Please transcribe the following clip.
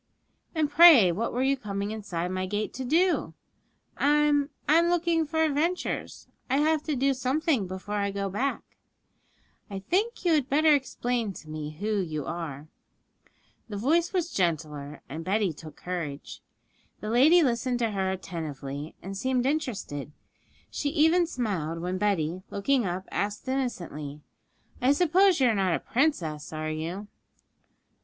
'And pray what were you coming inside my gate to do?' 'I'm I'm looking for adventures; I have to do something before I go back.' 'I think you had better explain to me who you are.' The voice was gentler, and Betty took courage. The lady listened to her attentively, and seemed interested; she even smiled when Betty, looking up, asked innocently, 'I suppose you are not a princess, are you?'